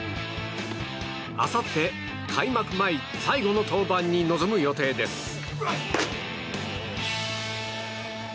あさって、開幕前最後の登板に臨む予定です。